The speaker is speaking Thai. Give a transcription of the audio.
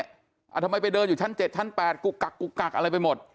อ่าวทำไมจนไปเดินชั้น๗ชั้น๘กรุกกักอะไรไปหมด